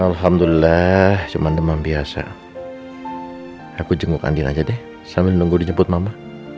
alhamdulillah cuma demam biasa aku jenguk andin aja deh sambil nunggu dijemput mama